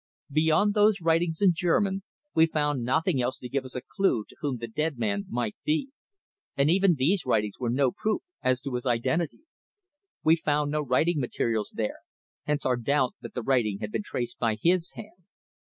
Beyond those writings in German we found nothing else to give us a clue to whom the dead man might be, and even these writings were no proof as to his identity. We found no writing materials there, hence our doubt that the writing had been traced by his hand.